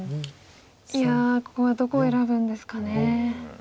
いやここはどこを選ぶんですかね。